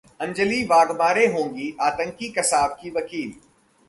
अंजलि वाघमारे होंगी आतंकी कसाब की वकील